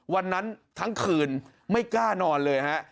วันนั้นทั้งคืนไม่กล้านอนเลยฮะ